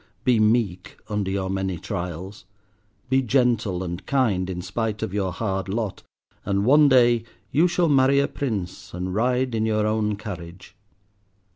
Be meek under your many trials. Be gentle and kind, in spite of your hard lot, and one day—you shall marry a prince and ride in your own carriage.